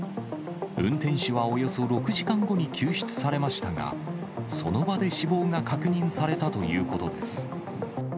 運転手はおよそ６時間後に救出されましたが、その場で死亡が確認されたということです。